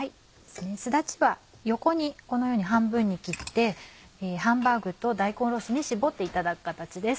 すだちは横にこのように半分に切ってハンバーグと大根おろしに搾っていただく形です。